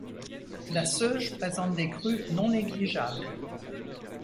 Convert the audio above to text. La Seuge présente des crues non négligeables.